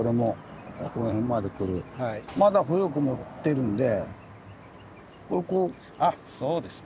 まだ浮力持ってるんでこれこう。あっそうですね。